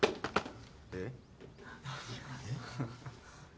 えっ？